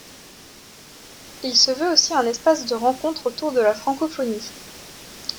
Il se veut aussi un espace de rencontres autour de la Francophonie.